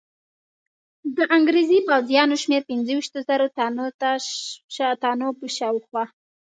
د انګرېزي پوځیانو شمېر پنځه ویشتو زرو تنو په شاوخوا.